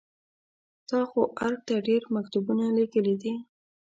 تا خو ارګ ته ډېر مکتوبونه لېږلي دي.